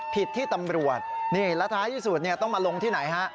ผิดที่ตำรวจนี่แล้วท้ายที่สุดต้องมาลงที่ไหนฮะ